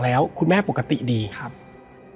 และวันนี้แขกรับเชิญที่จะมาเชิญที่เรา